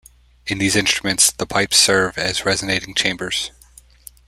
In these instruments, the pipes serve as resonating chambers.